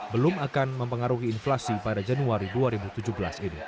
belum akan mempengaruhi inflasi pada januari dua ribu tujuh belas ini